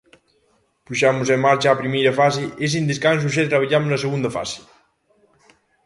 Puxemos en marcha a primeira fase e sen descanso xa traballamos na segunda fase.